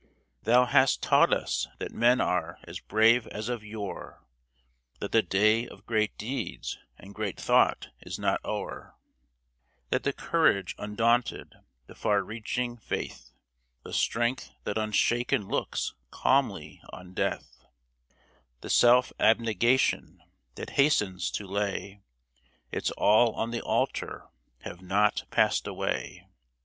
no PAST AND PRESENT Thou hast taught us that men are as brave as of yore ; That the day of great deeds and great thought is not o'er ; That the courage undaunted, the far reaching faith, The strength that unshaken looks calmly on death, The self abnegation that hastens to lay Its all on the altar, have not passed away.